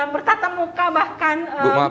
bertata muka bahkan bisa